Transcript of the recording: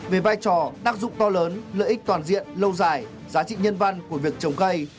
về vai trò tác dụng to lớn lợi ích toàn diện lâu dài giá trị nhân văn của việc trồng cây